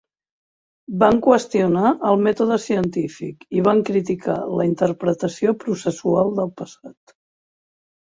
Van qüestionar el mètode científic i van criticar la interpretació processual del passat.